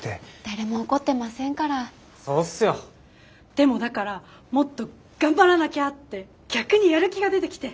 でもだからもっと頑張らなきゃって逆にやる気が出てきて。